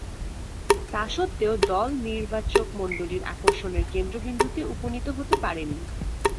তাস্বত্ত্বেও দল নির্বাচকমণ্ডলীর আকর্ষণের কেন্দ্রবিন্দুতে উপনীত হতে পারেননি।